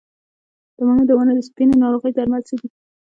د مڼو د ونو د سپینې ناروغۍ درمل څه دي؟